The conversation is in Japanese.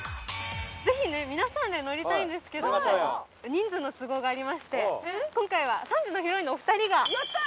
ぜひ皆さんで乗りたいんですけど乗りましょうよ人数の都合がありまして今回は３時のヒロインのお二人がやった！